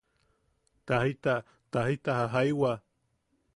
Tajita, tajita jajaiwa.